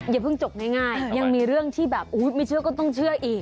อย่าเพิ่งจบง่ายยังมีเรื่องที่แบบไม่เชื่อก็ต้องเชื่ออีก